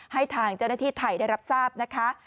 ให้ทางเจ้าหน้าที่ไทยได้รับทราบนะคะ